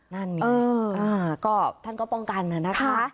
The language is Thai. นั่นนี่อ่าก็ท่านก็ป้องกันนะนะคะ